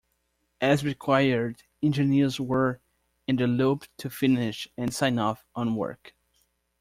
As required, engineers were in the loop to finish and sign off on work.